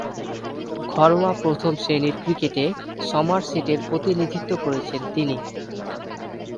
ঘরোয়া প্রথম-শ্রেণীর ক্রিকেটে সমারসেটের প্রতিনিধিত্ব করেছেন তিনি।